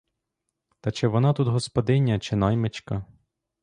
Та чи вона тут господиня, чи наймичка?